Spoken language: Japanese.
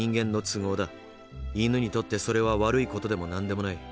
犬にとってそれは悪いことでもなんでもない。